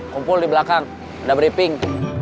kumpul di belakang ada briefing